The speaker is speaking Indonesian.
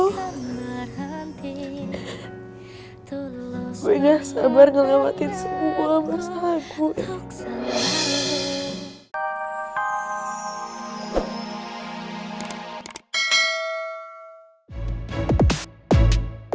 gue gak sabar ngelamatin semua masalah gue